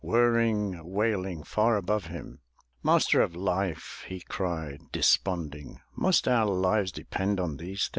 Whirring, wailing far above him. '^Master of Life!'' he cried, desponding, ''Must our lives depend on these things?